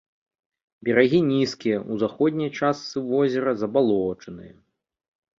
Берагі нізкія, у заходняй частцы возера забалочаныя.